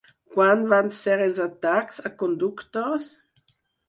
Quan van ser els atacs a conductors?